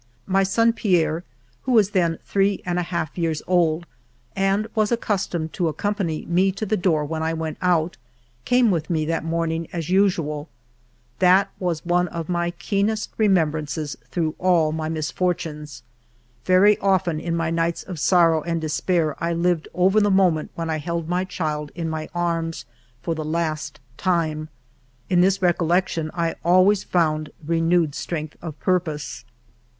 My son Pierre, who was then three and a half years old and was accustomed to accompany me to the door when I went out, came with me that morn ing as usual. That was one of my keenest re membrances through all my misfortunes. Very often in my nights of sorrow and despair I lived over the moment when I held my child in my arms for the last time. In this recollection I always found renewed strength of purpose.